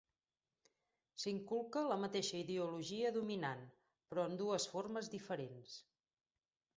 S'inculca la mateixa ideologia dominant, però en dues formes diferents.